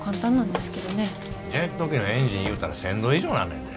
ジェット機のエンジンいうたら１，０００度以上になんねんで。